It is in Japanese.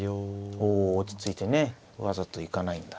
おお落ち着いてねわざと行かないんだ。